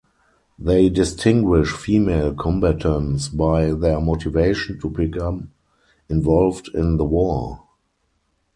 They distinguish female combatants by their motivation to become involved in the war.